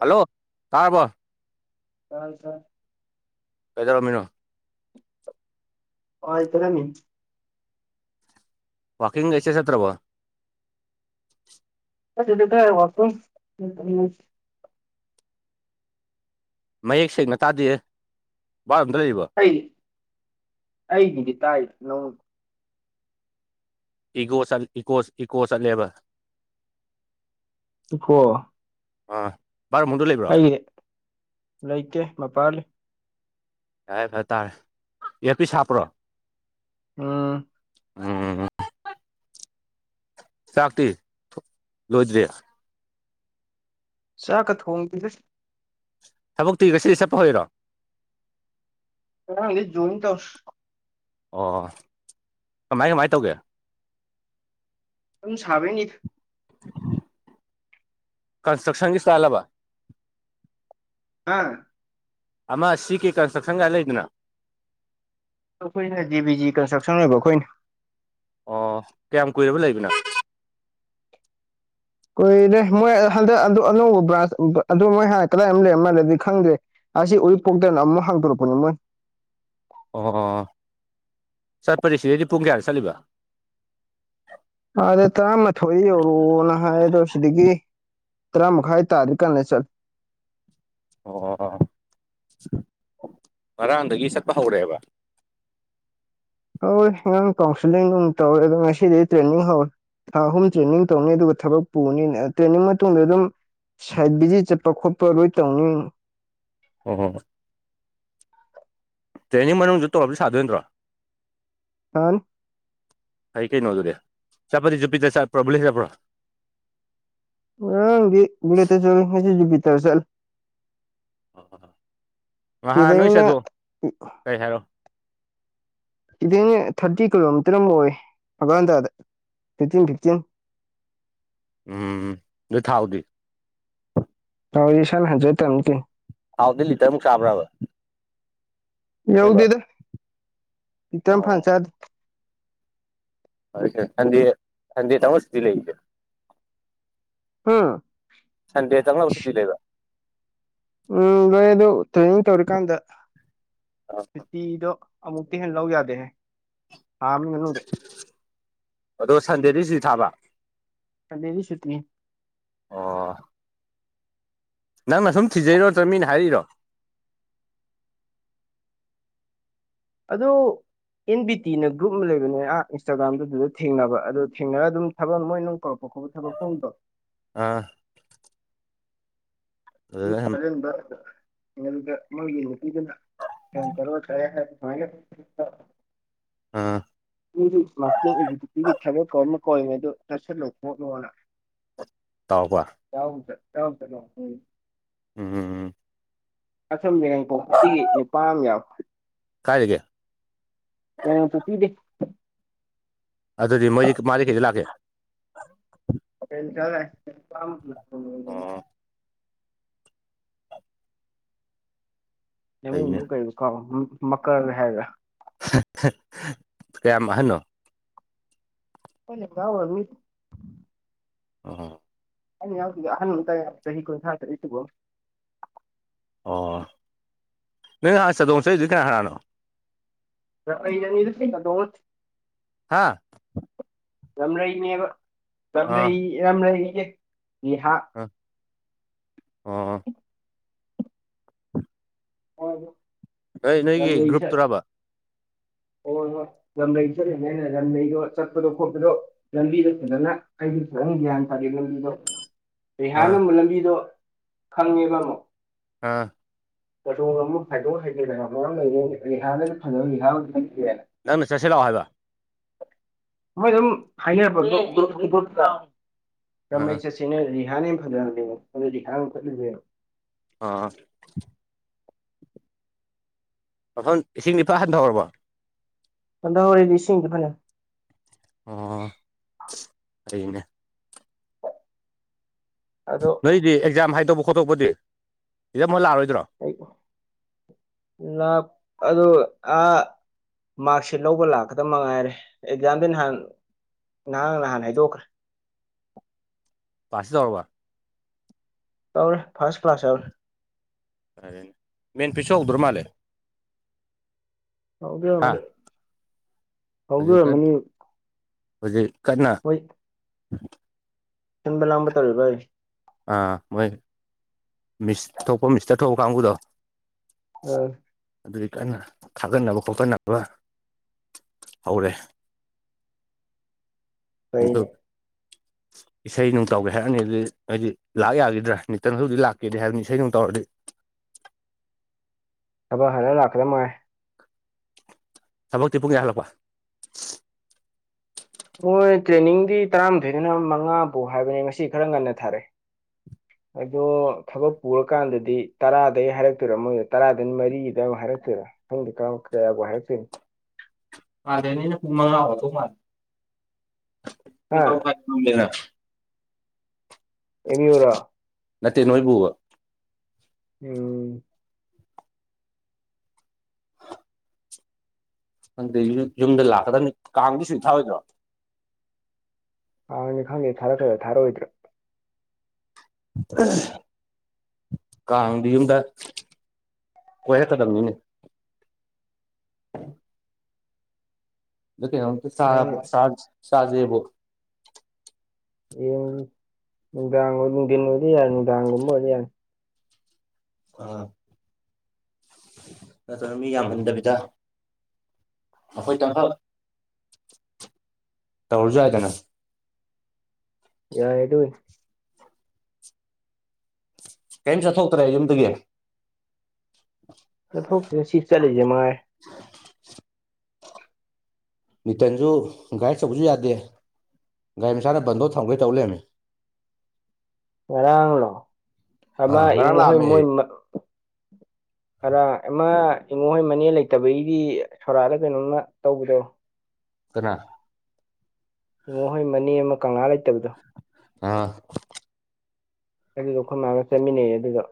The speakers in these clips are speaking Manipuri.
ꯍꯜꯂꯣ ꯀꯥꯔꯕꯣ ꯀꯥꯟ ꯁ [inaudible] ꯀꯩꯗꯧꯔꯝꯃꯤꯅꯣ ꯑ ꯏ ꯐꯔ ꯃꯤ [inaudible] ꯋꯥꯥꯛꯀꯤꯡ ꯑꯦꯁꯠꯇ꯭ꯔꯔꯕꯣ [inaudible] ꯃꯌꯦꯛ ꯁꯦꯡꯅ ꯇꯥꯗꯦ ꯋꯥꯕꯥꯠ ꯑꯝꯗ ꯂꯩꯔꯤꯕꯣ ꯑꯩ ꯑꯩ ꯗꯤ ꯇꯥꯏ ꯅꯪ [inaudible] ꯏꯒꯣ ꯏꯒꯣ ꯏꯀꯣ ꯆꯠꯂꯦꯕ ꯎꯣ [inaudible] ꯑꯥ ꯔ ꯃꯨꯗ ꯂꯩ [inaudible] ꯑꯩꯗꯤ ꯂꯩꯇꯦ ꯃꯄꯥꯜꯂꯤ ꯌꯥꯏꯐ ꯇꯥꯔꯦ ꯌꯦꯄꯤ ꯁꯥꯞꯄ꯭ꯔꯣ ꯑꯝ ꯑꯝ ꯆꯥꯛꯇꯤ ꯂꯣꯏꯗ꯭ꯔꯦ ꯆꯥꯛꯒ ꯊꯣꯡꯒꯗꯤ ꯊꯕꯛꯇꯤ ꯉꯁꯤꯗꯤ ꯆꯠꯄ ꯍꯣꯏꯔꯣ ꯀ ꯖꯣꯏ ꯇꯧꯁ [inaudible] ꯑꯣ ꯀꯃꯥꯏ ꯀꯃꯥꯏ ꯇꯧꯒꯦ ꯑꯗꯨꯝ ꯁꯥꯕꯩꯅꯤ [unintelligible] ꯀꯟꯁꯇ꯭ꯔꯛꯁꯟꯒꯤ ꯁꯇꯥꯏꯜꯂꯕ ꯍꯥ ꯑꯃ ꯁꯤ ꯀ ꯀꯟꯁꯇ꯭ꯔꯛꯁꯟ ꯀꯥꯏ ꯂꯩꯗꯅ ꯑꯩꯈꯣꯏꯅ ꯖꯤ ꯕꯤ ꯖꯤ ꯀꯟꯁꯇ꯭ꯔꯛꯁꯟ ꯑꯣꯏꯕ ꯑꯩꯈꯣꯏꯅ ꯑꯣ ꯀꯌꯥꯝ ꯀꯨꯏꯔꯕ ꯂꯩꯕꯅ ꯀꯨꯏꯔꯦ ꯃꯣꯏ ꯍꯟꯗꯛ ꯑꯗꯨ ꯑꯅꯧꯕ ꯕ꯭ꯔꯥꯟꯁ ꯑꯗꯨ ꯃꯣꯏ ꯍꯥꯟꯅ ꯀꯗꯥꯏ ꯑꯃ ꯂꯩꯔꯝ ꯃꯥꯜꯂꯦꯗꯤ ꯈꯪꯗ꯭ꯔꯦ ꯑꯁꯤ ꯎꯔꯤꯛꯄꯣꯛꯇꯅ ꯑꯃꯨꯛ ꯍꯥꯡꯗꯣꯔꯛꯄꯅꯤ ꯃꯣꯏ ꯑꯣ ꯆꯠꯄꯔꯤ ꯁꯤꯗꯩꯗꯤ ꯄꯨꯡ ꯀꯌꯥꯗ ꯆꯠꯂꯤꯕ ꯑꯗ ꯇꯔꯥꯃꯥꯊꯣꯏ ꯌꯧꯔꯑꯣꯅ ꯍꯥꯏ ꯑꯗꯣ ꯁꯤꯗꯒꯤ ꯇꯔ ꯃꯈ ꯃꯈꯥꯏ ꯇꯥꯔꯀꯅꯤ ꯆꯠ ꯑꯣ ꯑꯣ ꯑꯣ ꯉꯔꯥꯡꯗꯒꯤ ꯆꯠꯄ ꯍꯧꯔꯛꯑꯦꯕ ꯍꯣꯏ ꯑꯉꯥꯡ ꯀꯥꯎꯟꯁꯤꯂꯤꯡ ꯑꯗꯨꯝ ꯇꯧꯔꯦ ꯑꯗꯣ ꯉꯁꯤꯗꯤ ꯇ꯭ꯔꯦꯟꯅꯤꯡ ꯍꯧꯔꯦ ꯊꯥ ꯑꯍꯨꯝ ꯇ꯭ꯔꯦꯟꯅꯤꯡ ꯇꯧꯅꯤ ꯑꯗꯨꯒ ꯊꯕꯛ ꯄꯨꯕꯅꯤꯅ ꯇ꯭ꯔꯦꯅꯤꯡ ꯃꯇꯨꯡꯗ ꯑꯗꯨꯝ ꯁꯥꯏꯠ ꯚꯤꯖꯤꯠ ꯆꯠꯄ ꯈꯣꯠꯄ ꯂꯣꯏ ꯇꯧꯅꯤ ꯑꯣ ꯑꯣ ꯇ꯭ꯔꯦꯅꯤꯡ ꯃꯅꯨꯡ ꯇꯧꯔꯁꯨ ꯁꯥꯗꯣꯏꯗ꯭ꯔꯣ ꯁꯥꯅꯤ ꯑꯩ ꯀꯩꯅꯣꯗꯨꯒ ꯆꯠꯄꯗꯤ ꯨꯄꯤꯗ ꯆꯠꯄ꯭ꯔꯣꯕ ꯂꯩꯇꯔꯕ꯭ꯔꯣ ꯉꯔꯥꯡꯗꯤ ꯕꯨꯂꯦꯠꯇ ꯆꯠꯂꯦ ꯉꯁꯤꯗꯤ ꯖꯨꯕꯤꯇꯔꯗ ꯆꯠꯂꯦ ꯑꯣ ꯅꯥꯟ ꯅꯣꯏ ꯁꯤꯗꯩꯅ ꯆꯦꯗꯣ ꯀꯩ ꯍꯥꯏꯔꯣ ꯏꯊꯅꯦ ꯊꯥꯔꯇꯤ ꯀꯤꯂꯣꯃꯤꯇꯔ ꯑꯃ ꯑꯣꯏ ꯐꯒꯜꯟꯗ ꯐꯤꯇꯤꯟ ꯐꯤꯞꯇꯤꯟ ꯎꯝ ꯑꯗꯨ ꯊꯥꯎꯗꯤ ꯍꯁꯥ ꯍꯥꯏꯁꯨ ꯇ ꯅꯗꯤ ꯊꯥꯎꯗꯤ ꯂꯤꯇꯔꯃꯨꯛ ꯆꯥꯕ꯭ꯔꯥꯕ ꯍꯦꯟꯕ꯭ꯔꯣ ꯂꯤꯇꯔ ꯑꯃ ꯐꯥ ꯆꯥꯗꯦ ꯐꯥꯔꯦ ꯀꯩꯅꯣ ꯁꯟꯗꯦ ꯁꯟꯗꯦ ꯇꯪꯂꯣ ꯁꯨꯇꯤ ꯂꯩꯁꯦ ꯍꯨꯝ ꯁꯟꯗꯦ ꯇꯪꯂꯣ ꯁꯨꯇꯤ ꯂꯩꯕ ꯎꯝ ꯂꯣꯏ ꯑꯗꯀ ꯇ꯭ꯔꯦꯅꯤꯡ ꯇꯧꯔꯤꯀꯥꯟꯗ ꯁꯨꯇꯤꯗꯣ ꯑꯃꯨꯛꯇꯩ ꯍꯦꯟꯅ ꯂꯧ ꯌꯥꯗꯦ ꯍꯥꯏ ꯊꯥ ꯑꯃꯒꯤ ꯃꯅꯨꯡꯗ ꯑꯗꯣ ꯁꯟꯗꯦꯗꯤ ꯁꯨꯇꯤ ꯊꯥꯕ ꯁꯟꯗꯦꯗꯤ ꯁꯨꯇꯤꯅꯤ ꯑꯣ ꯅꯪꯅ ꯁꯨꯝ ꯊꯤꯖꯩꯔꯣ ꯅꯠꯇꯔ ꯃꯤꯅ ꯍꯥꯏꯔꯛ ꯏꯔꯣ ꯑꯗꯣ ꯑꯦꯟ ꯕꯤ ꯇꯤꯅ ꯒ꯭ꯔꯨꯞ ꯑꯃ ꯂꯩꯕꯅꯦ ꯑꯥ ꯏꯟꯁꯇꯥꯒ꯭ꯔꯥꯝꯗꯨ ꯑꯗꯨꯗ ꯊꯦꯡꯅꯕ ꯑꯗꯣ ꯊꯦꯡꯅꯔꯒ ꯑꯗꯨꯝ ꯊꯕꯛ ꯃꯣꯏ ꯅꯨꯡ ꯀꯧꯔꯛꯄ ꯈꯣꯠꯄ ꯊꯕꯛ ꯈꯣꯡꯗꯣ ꯑꯥ ꯑꯗꯨꯗ ꯁꯨꯝ ꯊꯥꯖꯟꯕ ꯑꯗꯥ ꯉꯝꯗꯦ ꯃꯣꯏ ꯌꯦꯡꯕ ꯅꯨꯄꯤꯗꯨꯅ [inaudible] ꯑꯥ ꯎꯏꯖꯤ ꯃꯀꯥꯔ ꯏꯖꯨꯀꯤꯇꯤꯞꯀꯤ ꯊꯕꯛ ꯀꯟꯅ ꯀꯧꯔꯤꯕ ꯑꯗꯨ ꯆꯠꯁꯤꯜꯂꯨ ꯈꯣꯠꯂꯣꯅ ꯇꯧꯕ ꯌꯥꯎꯗꯔꯦ ꯌꯥꯎ [inaudible] ꯎꯝ ꯑꯁꯣꯝ ꯌꯥꯏꯉꯪꯄꯣꯛꯇꯒꯤ ꯅꯨꯄꯥ ꯑꯃ ꯌꯥꯎꯏ ꯀꯥꯏꯗꯒꯤ ꯌꯥꯏꯉꯪꯄꯣꯛꯄꯤ ꯗꯩ ꯑꯗꯨꯗꯤ ꯃꯣꯏꯗꯤ ꯃꯥꯗꯤ ꯀꯩꯗ ꯂꯥꯛꯀꯦ ꯒꯥꯔꯤ ꯃꯆꯥ ꯂꯥꯛꯑꯦ ꯒꯥꯔꯤ ꯃꯆꯥ ꯑꯃ ꯄꯤꯎ ꯑꯣ ꯌꯥꯝꯕꯨꯡꯒꯤ ꯐꯩꯅꯦ ꯃꯤꯡꯗꯣ ꯀꯩꯕ ꯀꯥꯎꯔꯦ ꯃꯀꯥꯔ ꯍꯥꯏꯕꯔ ꯀꯌꯥꯝ ꯑꯍꯟꯅꯣ ꯈꯣꯏ ꯂꯦꯡꯒ ꯑꯣꯏꯔꯝꯅꯤ ꯑꯣ ꯑꯩꯅ ꯌꯥꯎꯗꯨꯖꯦ ꯑꯍꯟ ꯃꯔꯛꯇ ꯆꯍꯤ ꯀꯨꯟꯊꯔꯥ ꯇꯔꯨꯛ ꯁꯨꯕ ꯑꯃ ꯑꯣ ꯅꯪ ꯑꯥ ꯆꯥꯗꯣꯡ ꯆꯠꯂꯨꯏꯖꯦ ꯀꯅꯥ ꯀꯅꯥꯅꯣ [inaudible] ꯍꯥꯥ ꯔꯥꯝꯔꯩ ꯅꯦꯕ ꯑꯥ ꯔꯥꯝꯔꯩ ꯔꯥꯝꯔꯩ ꯚꯤꯂꯦꯖ ꯅꯦꯍꯥ ꯑ ꯑꯣ ꯅꯣꯏ ꯅꯣꯏꯒꯤ ꯔꯥꯝꯔꯩ ꯖꯦ ꯒ꯭ꯔꯨꯞꯇꯨꯔꯕ [unintelligible] ꯍꯣꯏ ꯍꯣꯏ ꯔꯥꯝꯔꯩ ꯆꯠꯂꯤ ꯃꯥꯏꯅ ꯔꯥꯝꯔꯩꯗꯣ ꯆꯠꯄꯗꯣ ꯈꯣꯠꯄꯗꯣ ꯂꯝꯕꯤꯗꯣ ꯐꯖꯅ ꯑꯩꯗꯤ ꯐꯖꯅ ꯒ꯭ꯌꯥꯟ ꯇꯥꯗꯦ ꯂꯝꯕꯤꯗꯣ ꯑꯥ [inaudible] ꯂꯝꯕꯤꯗꯣ ꯈꯪꯉꯦꯕ ꯑꯃꯨꯛ ꯑꯥ [unintelligible] ꯅꯪꯅ ꯆꯠꯁꯤ ꯂꯥꯛꯑꯣ ꯍꯥꯏꯕ ꯃꯣꯏ ꯑꯗꯨꯝ ꯍꯥꯏꯅꯕ ꯒ꯭ꯔꯨꯞ ꯒ꯭ꯔꯨꯞꯇ ꯑꯥ ꯔꯥꯝꯔꯩ ꯆꯠꯁꯤ ꯔꯤꯍꯥꯅ ꯍꯦꯟꯅ ꯐꯖꯍꯜꯂꯦꯕ ꯑꯗꯨ ꯔꯤꯍꯥ ꯑꯣꯏꯅ ꯊꯣꯍꯅꯤꯡꯗꯦꯕ ꯑꯥ ꯃꯐꯝ ꯂꯤꯁꯤꯡ ꯗꯤ ꯐꯥ ꯍꯟꯊꯥꯍꯧꯔꯕꯣ ꯍꯟꯊꯥꯍꯧꯔꯦꯗ ꯏꯁꯤꯡꯁꯤꯡꯗꯤ ꯐꯅꯌꯥꯝ ꯑꯣ ꯐꯩꯅꯦ ꯑꯗꯣ ꯅꯣꯏꯗꯤ ꯑꯦꯛꯖꯥꯝ ꯍꯥꯏꯗꯣꯛꯄ ꯈꯣꯠꯇꯣꯛꯄꯗꯤ ꯏꯝ ꯂꯥꯛꯔꯣꯏꯗ꯭ꯔꯣ ꯑꯗꯨꯗ ꯑ ꯃꯥꯔꯛꯁꯤꯠ ꯂꯧꯕ ꯂꯥꯛꯀꯗꯕ ꯃꯉꯥꯏꯔꯦ ꯑꯦꯛꯖꯥꯝꯗꯤ ꯅꯍꯥꯟ ꯅꯍꯥꯟ ꯅꯍꯥꯟ ꯍꯥꯏꯗꯣꯛꯈ꯭ꯔꯦ ꯄꯥꯁꯁꯤꯁ ꯇꯔꯥ ꯇꯧꯔꯦ ꯐꯥꯔꯁꯠ ꯀ꯭ꯂꯥꯁ ꯌꯥꯧꯔꯦ ꯃꯦꯟ ꯄꯤꯁꯨ ꯍꯧꯗꯣꯔꯣ ꯃꯥꯜꯦ ꯍꯥ ꯍꯒꯅꯤ ꯍꯒ ꯍꯧꯖꯤꯛ ꯀꯟ ꯃꯅꯤ ꯍꯧꯖꯤꯛ ꯀꯟꯅ ꯁꯤꯟꯕ ꯂꯥꯡꯝꯕ ꯇꯧꯔꯤꯕ ꯑꯩ ꯑꯥ ꯃꯣꯏ ꯃꯤꯁ ꯊꯣꯛꯄ ꯃꯤꯁꯇ ꯊꯣꯛꯄ ꯀꯥꯡꯕꯨꯗꯣ ꯍ ꯑꯗꯨꯒꯤ ꯀꯟꯅ ꯊꯥꯒꯠꯅꯕ ꯈꯣꯠꯀꯠꯅꯕ ꯍꯧꯔꯦ ꯐꯩꯅꯦ ꯏꯁꯩ ꯅꯨꯡꯇꯥꯎꯒꯦ ꯍꯥꯏꯔꯑꯅꯤ ꯑꯗꯨ ꯍꯥꯏꯗꯤ ꯂꯥꯛ ꯌꯥꯈꯤꯗ꯭ꯔꯥ ꯅꯤꯇꯪ ꯍꯧꯖꯤꯛꯇꯛ ꯂꯥꯛꯀꯦꯗꯤ ꯍꯥꯏꯕꯅꯤ ꯏꯁꯩꯩꯅꯅꯨꯡ ꯇꯧꯔꯗꯤ ꯊꯕꯛ ꯍꯥꯟꯅ ꯂꯥꯛꯀꯗ ꯃꯥꯣꯏꯦ ꯊꯕꯛꯇꯤ ꯄꯨꯡ ꯌꯥ ꯍꯜꯂꯛꯄ ꯃꯣꯏ ꯇ꯭ꯔꯦꯅꯤꯡꯗꯤ ꯇꯔꯥꯃꯥꯊꯣꯏꯗꯅ ꯃꯉꯥ ꯐꯥꯎ ꯍꯥꯏꯕꯅꯦ ꯉꯁꯤ ꯈꯔ ꯉꯟꯅ ꯊꯥꯔꯛꯑꯦ [inaudible] ꯑꯗꯣ ꯊꯕꯛ ꯄꯨꯔꯀꯥꯟꯗꯗꯤ ꯇꯔꯥꯗꯒꯤꯩ ꯍꯥꯏꯔꯛꯇꯣꯏꯔꯥ ꯃꯣꯏꯗꯣ ꯇꯔꯥꯗꯒꯤ ꯃꯔꯤꯒꯤꯗ ꯑꯃꯨꯛ ꯍꯥꯏꯔꯛꯇꯣꯏꯔꯥ ꯍꯪꯗꯤ ꯀꯣ ꯀꯌꯥꯕ ꯍꯥꯏꯁꯤ ꯃꯥꯔꯦꯅꯤꯅꯦ ꯐꯃꯅꯑꯣ ꯇꯧ ꯃꯥ ꯍꯥ ꯑꯦꯃꯤꯌꯔ ꯅꯠꯇꯦ ꯅꯣꯏꯕꯨꯕ ꯎ ꯅꯪꯗ ꯌꯨꯝꯗ ꯂꯥꯛꯀꯗꯕꯅꯤ ꯀꯥꯡꯗꯤ ꯁꯨꯡ ꯊꯥꯑꯣꯣꯏꯗ꯭ꯔꯣ ꯑꯅꯦ ꯈꯪꯗꯦ ꯊꯥꯔꯛ꯭ꯔꯗ ꯊꯥꯔꯑꯣꯣꯏꯗ꯭ꯔꯥ ꯎ ꯀꯥꯡꯗꯤ ꯌꯨꯝꯗ ꯀꯣꯏꯔꯛꯀꯗꯕꯅꯤꯅꯦ ꯑꯗꯨꯀꯦꯩꯅ ꯅꯪ ꯁꯖꯦꯕꯣ ꯌꯦꯡ ꯅꯨꯡꯗꯥꯡ ꯑꯣꯏ ꯅꯨꯡꯊꯤꯟ ꯑꯣꯏꯔ ꯌꯥꯔꯦ ꯅꯨꯡꯗꯥꯡꯒꯨꯝꯕ ꯑꯣꯏꯔ ꯌꯥꯔꯦ ꯑꯥ ꯅꯠꯇ ꯃꯤ ꯌꯥꯝꯍꯟꯗꯕꯤꯗ ꯑꯩꯈꯣꯏ ꯇꯪꯈ ꯇꯧꯔꯁꯨꯏꯗꯅ ꯌꯥ ꯍꯦ ꯇ ꯀꯩꯝ ꯆꯠꯊꯣꯛꯇ꯭ꯔꯦ ꯌꯨꯝꯗꯒꯤ [inaudible] ꯊꯁꯤ ꯁꯤ ꯆꯂꯤꯁꯦ ꯃꯥꯥꯏ ꯅꯤꯇꯟꯁꯨ ꯒꯥꯔꯤꯗ ꯆꯧꯕꯁꯨ ꯌꯥꯗꯦ ꯒꯥꯔꯤ ꯃꯁꯥꯅ ꯕꯟꯗꯣ ꯊꯝꯈꯩ ꯇꯧ ꯂꯩꯔꯝꯃꯤ ꯉꯔꯥꯡꯂꯣ ꯑꯥ ꯑꯃꯃ ꯏꯪ ꯉꯔꯥꯡ ꯍꯣꯏ ꯂꯥꯛꯑꯝꯃꯦ ꯃꯣꯏ ꯑꯔ ꯏꯃꯥ ꯏꯃꯨꯡꯍꯣꯏ ꯃꯅꯦ ꯂꯩꯇꯕꯒꯤꯗꯤ ꯁꯣꯔꯥꯗ ꯀꯩꯅꯣꯝꯃ ꯇꯧꯕꯗꯣ ꯀꯅꯥ ꯏꯉꯣꯍꯣꯏ ꯃꯅꯤ ꯑꯃ ꯀꯪꯂꯥ ꯂꯩꯇꯕꯗꯣ ꯑꯥ ꯑꯗꯨꯗꯣ ꯑꯩꯈꯣꯏ ꯃꯥꯥꯡꯒ ꯆꯠꯃꯤꯟꯅꯩ ꯑꯗꯨꯒ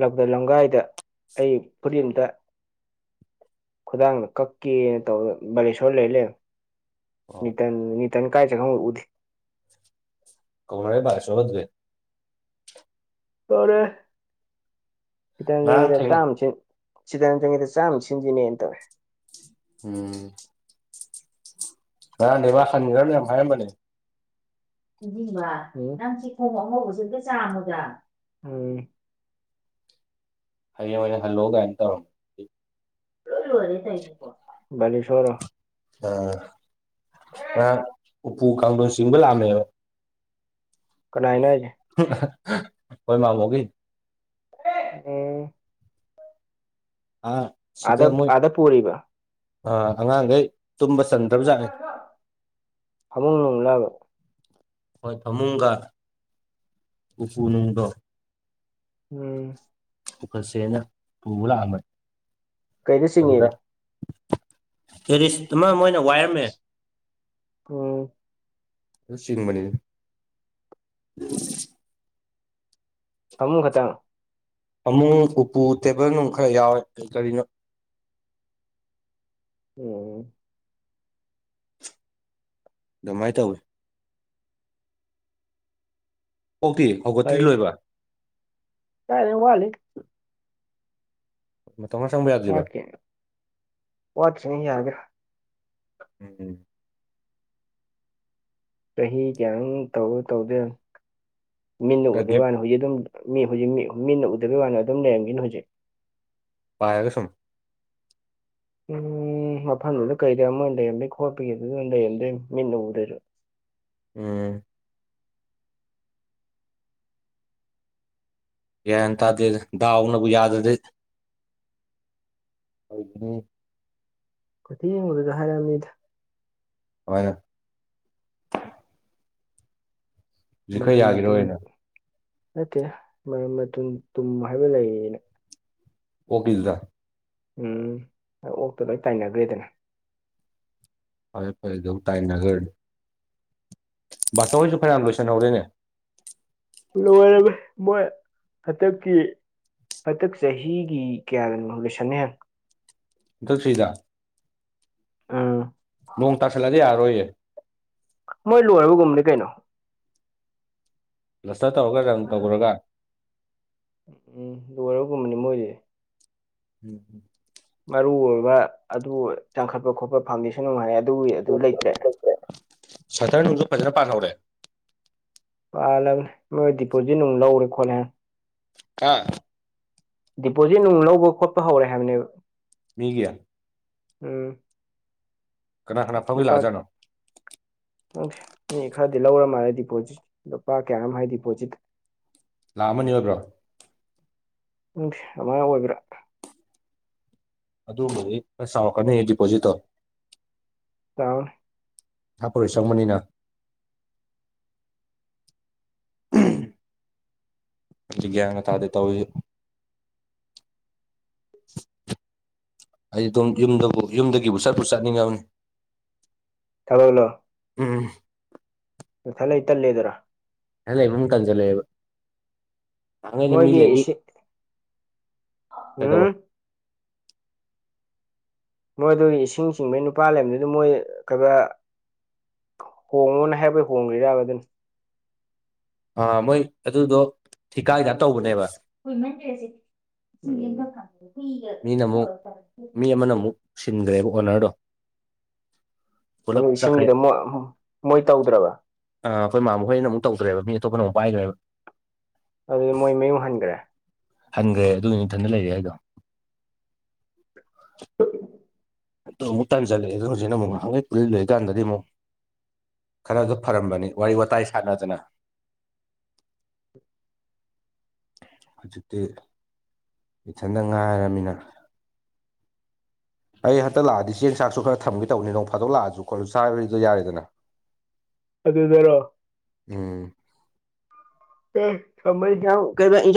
ꯂꯧꯗ ꯂꯝꯒꯥꯏꯗ ꯑꯩ ꯐꯔꯤꯝꯇ ꯈꯨꯗꯥꯡꯅ ꯀꯛꯀꯦꯅ ꯇꯧ ꯕꯥꯂꯦꯁꯣꯔ ꯂꯩꯔ ꯂꯩ ꯑꯣ ꯅꯇꯟ ꯅꯅꯤꯇꯟ ꯀꯥꯏ ꯆꯦ ꯈꯪꯉ ꯎ ꯀꯧꯍꯡꯂꯦ ꯄꯥꯁꯕꯖꯚꯦ ꯇꯧꯔꯦ ꯈꯤꯇꯪ ꯉꯔꯥꯡ ꯈꯤꯗ ꯊꯦꯡꯅ ꯆꯥꯝꯃꯁꯤ ꯁꯤꯗ ꯅ ꯆꯪꯉꯦꯗ ꯆꯥꯝ ꯁꯤꯟꯖꯤꯅꯦꯅ ꯇꯧꯋꯦ ꯎꯝ ꯉ ꯑꯗꯦꯝꯕꯥ ꯁꯥꯟꯒꯔꯅ ꯌꯥ ꯌꯥꯝ ꯍꯥꯏꯝꯕꯅꯦ ꯗꯤꯕ ꯅꯪꯁꯤ ꯀꯣꯃꯣ ꯃꯖꯁꯨ ꯆꯃꯗ ꯎ [inaudible] ꯍꯥꯌꯦꯡ ꯑꯣꯢꯅ ꯍꯜꯂꯣꯒꯥꯢꯅ ꯅꯤ ꯁꯣꯔꯣ [inaudible] ꯑꯥ ꯉꯍꯥꯛ ꯎꯄꯨ ꯀꯥꯡꯗꯣꯟ ꯆꯤꯡꯕ ꯂꯥꯛꯑꯝꯃꯦꯕ ꯀꯅꯥꯥꯏꯅ ꯍꯥꯏꯁꯦ ꯀꯣꯏ ꯃꯥꯥꯡꯣꯒ [inaudible] ꯎꯝ ꯑ ꯑꯥꯗ ꯁꯤꯗ ꯃꯣꯏ ꯑꯥꯗ ꯄꯨꯔꯤꯕ ꯑꯉꯥꯡꯈꯩ ꯇꯨꯝꯕ ꯆꯟꯗ꯭ꯔꯕ ꯖꯥꯠꯅꯤ ꯐꯃꯨꯡꯂꯕ ꯍꯣꯏ ꯐꯃꯨꯡꯒ ꯎꯄꯨꯅꯨꯡꯗꯣ ꯎꯝ ꯄꯨꯈꯠꯁꯦꯅ ꯄꯨꯕ ꯂꯥꯛꯑꯝꯕꯅꯤ ꯀꯩꯗ ꯑꯗꯨꯗ ꯆꯤꯡꯉꯤꯕ ꯇꯦꯔꯤꯁ ꯑꯗꯨꯃ ꯃꯣꯏꯅ ꯋꯥꯏꯔꯝꯃꯦ ꯑꯝ ꯆꯤꯡꯕꯅꯦ ꯐꯃꯨꯛ ꯈꯇꯪ ꯑꯃꯃꯨꯨꯡ ꯎꯄꯨ ꯇꯦꯕꯜ ꯅꯨꯡ ꯈꯔ ꯌꯥꯎꯋꯦ ꯀꯔꯤꯅꯣ ꯎꯝ ꯑꯗꯨꯃꯥꯏꯅ ꯇꯧꯋꯤ ꯑꯣꯛꯇꯤ ꯍꯧꯒꯠꯇ꯭ꯔꯤ ꯂꯣꯏꯕ ꯀꯥꯏ ꯋꯥꯂꯤ ꯃ ꯇꯉꯥꯡꯪꯕ ꯌꯥ [inaudible] ꯋꯥꯠꯀꯦꯅ ꯋꯥꯠꯠꯇꯅ ꯌꯥꯒ꯭ꯔꯥ ꯎꯝ ꯎꯝ ꯆꯍꯤ ꯀꯌꯥ ꯇꯧ ꯇꯧꯗꯦ ꯃꯤꯅ ꯈꯔ ꯎꯗꯩ ꯒꯦꯞ ꯋꯥꯅꯤ ꯍꯧꯖꯤꯛ ꯑꯗꯨꯝ ꯃꯤ ꯍꯧꯖꯤꯛ ꯃꯤ ꯃꯤꯅ ꯎꯗꯕꯤꯒꯤ ꯋꯥꯅ ꯑꯗꯨꯝ ꯂꯩꯔꯝꯒꯅꯤ ꯍꯧꯖꯤꯛ ꯄꯥꯢꯔꯒ ꯁꯨꯝ ꯎꯝ ꯃꯐꯝꯗꯨꯗ ꯀꯩꯗ ꯑꯃ ꯂꯩꯔꯝꯗꯣꯏ ꯈꯣꯠꯄꯒꯤꯗꯨꯗ ꯂꯩꯔꯝꯗꯣꯏ ꯃꯤꯠꯅ ꯎꯗꯣꯏꯔꯣ ꯎꯝ ꯌꯥꯟ ꯇꯥꯗꯦ ꯗꯥꯎꯅꯕꯨ ꯌꯥꯗ꯭ꯔꯗꯤ ꯑꯩ [inaudible] ꯏꯅꯤ ꯀꯣꯗꯤ ꯌꯦꯡꯕꯗꯨꯗ ꯍꯥꯏꯔꯝꯃꯤꯗ ꯀꯃꯥꯢꯅ ꯍꯧꯖꯤꯛ ꯈꯔ ꯃꯔꯟ ꯃꯇꯨꯝ ꯌꯥꯒꯤꯔꯣꯏꯅ ꯅꯠꯇꯦ ꯃꯔꯟ ꯃꯇꯨꯝ ꯇꯨꯝ ꯍꯥꯏꯕ ꯂꯩꯌꯦꯅ ꯑꯣꯀꯤꯜꯗ ꯎꯝ ꯑꯣꯛꯇꯣ ꯂꯣꯏ ꯇꯥꯏꯅꯈ꯭ꯔꯦꯗꯅ ꯐꯔꯦ ꯐꯔꯦ ꯇꯥꯏꯅꯒꯔ ꯕꯥꯁꯣꯍꯣꯏꯁꯨ ꯐꯌꯥꯝ ꯂꯣꯏꯁꯤꯟꯍꯧꯔꯦꯅꯦ ꯃꯣꯏ ꯍꯥꯏꯇꯞꯀꯤ ꯍꯗꯛ ꯆꯍꯤꯒꯤ ꯀꯌꯥꯗꯅꯣ ꯂꯣꯏꯁꯅꯤ ꯊꯛꯁꯤ꯭ꯔꯤꯗ ꯑꯥꯝ ꯅꯣꯡ ꯇꯁꯤꯜꯂꯗꯤ ꯌꯥꯔꯣꯏꯌꯦ ꯃꯣꯏ ꯂꯣꯏꯔꯕꯒꯨꯝꯅꯤ ꯀꯩꯅꯣ ꯀ꯭ꯂꯁꯇꯔ ꯇꯧꯔꯒ ꯔꯪ ꯇꯧꯈꯨꯔꯒ ꯎꯝ ꯂꯣꯢ ꯒꯨꯝꯕꯅꯤ ꯃꯣꯏ ꯎꯝ ꯎꯝ ꯃꯔꯨ ꯑꯣꯏꯕ ꯑꯗꯨ ꯆꯥꯡꯈꯠꯄ ꯈꯣꯠꯄ ꯐꯥꯎꯟꯗꯦꯁꯟ ꯅꯨꯡ ꯍꯥꯏ ꯑꯗꯨꯒꯤ ꯑꯗꯨ ꯂꯩꯇ꯭ꯔꯦ ꯁꯇꯔ ꯅꯨꯡꯗꯣ ꯐꯖꯅ ꯄꯥꯟꯍꯧꯔꯦ ꯄꯥꯜꯂꯕꯅꯦ ꯃꯣꯏ ꯗꯤꯄꯣꯖꯤꯠ ꯅꯨꯡ ꯂꯧꯔꯦ ꯈꯣꯠꯂꯦꯅ ꯍꯥ ꯗꯤꯄꯣꯖꯤꯠ ꯅꯨꯡ ꯂꯧꯕ ꯈꯣꯠꯄ ꯍꯧꯔꯦ ꯍꯥꯏꯕꯅꯦꯕ ꯃꯤꯒꯤ ꯎꯝ ꯀꯅꯥ ꯀꯅꯥ ꯐꯝꯕꯤ ꯂꯨꯄꯥ ꯂꯛꯑꯖꯥꯠꯅꯣ ꯃꯤ ꯈꯔꯗꯤ ꯂꯧꯔ ꯃꯥꯜꯂꯦ ꯗꯤꯄꯣꯖꯤꯠ ꯂꯨꯄꯥ ꯀꯌꯥ ꯍꯥꯏ ꯗꯤꯄꯣꯖꯤꯠ ꯂꯥꯛꯑꯝꯃꯅꯤ ꯑꯣꯏꯕ꯭ꯔꯣ ꯎꯝ ꯑꯃ ꯑꯣꯏꯕ꯭ꯔꯥ ꯑꯗꯨꯨꯝꯕꯨꯗꯤꯁ ꯆꯥꯎꯥꯎꯔꯛꯀꯅꯤ ꯗꯤꯄꯣꯖꯤꯠꯇꯣ ꯆꯥꯎꯋꯤ ꯊꯥꯄꯣꯔꯣꯏ ꯆꯪꯕꯅꯤꯅ [inaudible] ꯒ꯭ꯌꯥꯟꯒ ꯇꯥꯗꯦ ꯇꯧꯔꯤꯁꯦ ꯑꯩ ꯑꯗꯨꯝ ꯌꯨꯝꯗꯕꯨ ꯌꯨꯝꯗꯒꯤꯕꯨ ꯆꯠꯄ ꯆꯠꯅꯤꯡꯉꯕꯅꯤ ꯊꯕꯛꯂꯣ ꯎꯝ ꯅꯊꯠ ꯂꯩ ꯇꯜꯂꯦꯗꯔꯥ [inaudible] ꯂꯩꯕꯨꯝ ꯀꯟꯖꯜꯂꯦꯕ ꯊꯥꯡ ꯑꯩꯅ ꯃꯤ ꯃꯣꯏꯒꯤ ꯂꯩꯕꯤ ꯏꯁꯤꯡ ꯀꯩꯗꯧꯕ ꯎꯝ ꯃꯣꯏ ꯑꯗꯨꯒꯤ ꯏꯁꯤꯡ ꯆꯤꯡꯕꯩ ꯅꯨꯄꯥ ꯂꯩꯕꯗꯨꯗ ꯃꯣꯏ ꯀ ꯍꯣꯡꯉꯣꯅ ꯍꯥꯏꯕꯩ ꯍꯣꯡꯒ꯭ꯔꯥꯒ ꯑꯗꯨꯅꯤ ꯑ ꯃꯣꯏ ꯑꯗꯨꯗꯣ ꯊꯤꯀꯥꯏꯗ ꯇꯧꯕꯅꯦꯕ ꯍꯣꯏꯃꯦꯟ꯭ꯔꯦꯁꯤ ꯁꯤ [inaudible] ꯃꯤꯅ ꯑꯃꯨꯛ ꯃꯤ ꯑꯃꯅ ꯑꯃꯨꯛ ꯁꯤꯟꯈ꯭ꯔꯦꯕ ꯑꯣꯅꯔꯗꯣ ꯑꯗꯨ ꯄꯨꯂꯞ ꯆꯠꯈ꯭ꯔꯦ ꯏꯁꯤꯡꯒꯤꯗ ꯃꯣꯏ ꯃꯣꯏ ꯇꯧꯗ꯭ꯔꯕ ꯑꯈꯣꯏ ꯃꯥ ꯃꯈꯣꯏꯅ ꯑꯃꯨ ꯇꯧ꯭ꯔꯦꯕ ꯃꯤ ꯑꯇꯣꯞꯄꯅ ꯑꯃꯨꯛ ꯈ꯭ꯔꯦꯕ ꯑꯗꯨꯗꯤ ꯃꯣꯏ ꯃꯌꯨꯝ ꯍꯟꯈ꯭ꯔꯦ ꯍꯟꯈ꯭ꯔꯦ ꯑꯗꯨꯒꯤ ꯏꯊꯟꯗ ꯂꯩꯔꯦ ꯍꯥꯏꯗꯣ [unintelligible] ꯑꯣ ꯑꯃꯨꯛ ꯇꯥꯟ ꯆꯠꯂꯑꯦ ꯍꯧꯖꯤꯅ ꯑꯃꯨꯛ ꯍꯥꯟꯛ ꯄꯨ ꯂꯣꯏ ꯏꯀꯥꯟꯗꯗꯤꯛ ꯈꯔ ꯑꯗꯨ ꯐꯔꯝꯕꯅꯤ ꯋꯥꯔꯤ ꯋꯥꯇꯥꯏ ꯁꯥꯟꯅꯗꯅ [unintelligible] ꯍꯧꯖꯤꯛꯇꯤ ꯏꯊꯟꯗ ꯉꯥꯏꯔꯕꯃꯤꯅ ꯑꯩ ꯍꯟꯛꯇ ꯂꯥꯛꯑꯗꯤ ꯆꯦꯡ ꯆꯥꯛꯁꯨ ꯈꯔ ꯊꯝꯒꯦ ꯇꯧꯕꯅꯤꯅꯦ ꯅꯣꯡ ꯐꯥꯗꯣꯛ ꯂꯥꯛꯑꯁꯨ ꯈꯣꯠꯂꯁꯨ ꯆꯥꯕꯔꯤꯗꯣ ꯌꯥꯔꯦꯗꯅ [unintelligible] ꯑꯗꯨꯗꯔꯣ ꯎꯝ ꯊ ꯊ ꯀꯩ [inaudible]